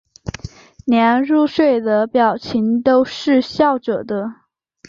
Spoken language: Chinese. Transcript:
连入睡的表情都是笑着的